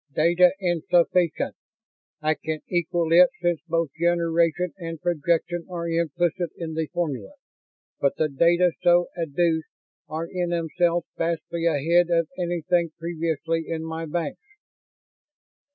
"Data insufficient. I can equal it, since both generation and projection are implicit in the formula. But the data so adduced are in themselves vastly ahead of anything previously in my banks."